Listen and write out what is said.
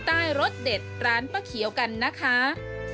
รสเด็ดร้านป้าเขียวกันนะคะ